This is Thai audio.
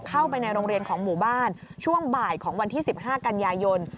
เข้าไปในโรงเรียนของหมู่บ้านช่วงบ่ายของวันที่๑๕กันยายน